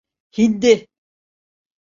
Hindi.